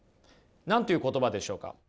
何という言葉でしょうか？